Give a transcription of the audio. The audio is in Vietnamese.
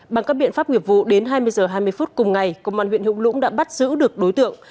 bằng các biện pháp nghiệp vụ đến hai mươi h hai mươi phút cùng ngày công an huyện hữu lũng đã bắt giữ được đối tượng